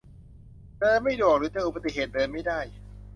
เดินไม่ดวก หรือเจออุบัติเหตุ เดินไม่ได้